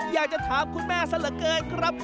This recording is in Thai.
อยากจะถามคุณแม่ซะเหลือเกินครับ